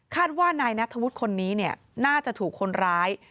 ว่านายนัทธวุฒิคนนี้น่าจะถูกคนร้าย